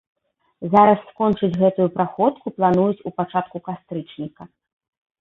Зараз скончыць гэтую праходку плануюць у пачатку кастрычніка.